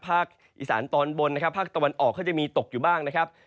ภาคอีสานตอนบนนะครับภาคตะวันออกก็จะมีตกอยู่บ้างนะครับ